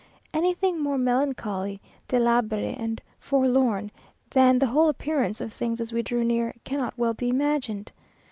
Anything more melancholy, delabre and forlorn, than the whole appearance of things as we drew near, cannot well be imagined.